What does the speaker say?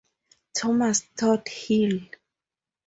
Thomas Tothill.